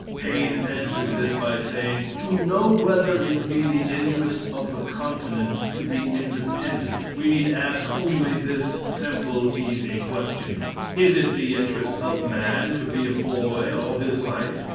Paine answered this by saying: "To know whether it be the interest of the continent to be independent, we need ask only this simple, easy question: 'Is it the interest of man to be a boy all his life?"'